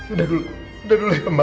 udah dulu udah dulu ya mbak